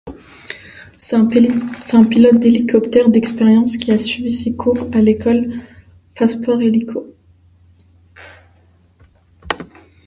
C'est un pilote d'hélicoptère d'expérience qui a suivi ses cours à l'école Passeport-Hélico.